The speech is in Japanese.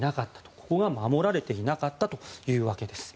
ここが守られていなかったというわけです。